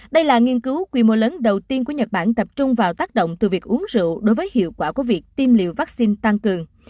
đây là nghiên cứu quy mô lớn đầu tiên của nhật bản tập trung vào tác động từ việc uống rượu đối với hiệu quả của việc tiêm liều vaccine tăng cường